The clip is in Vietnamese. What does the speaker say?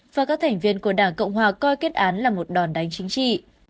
và các thành viên của đảng cộng hòa coi kết án là một đòn đánh chính trị